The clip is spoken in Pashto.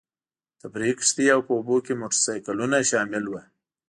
تفریحي کښتۍ او په اوبو کې موټرسایکلونه شامل وو.